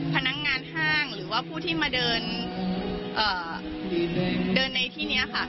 พนักงานห้างหรือว่าผู้ที่มาเดินในที่นี้ค่ะ